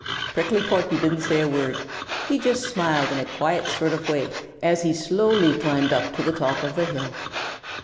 Prickly Porky didn't say a word. He just smiled in a quiet sort of way as he slowly climbed up to the top of the hill.